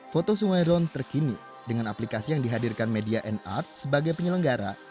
foto sungai ron terkini dengan aplikasi yang dihadirkan media and art sebagai penyelenggara